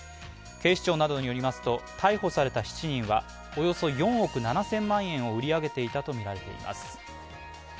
警視庁などによりますと逮捕された７人はおよそ４億７０００万円を売り上げていたとみられています。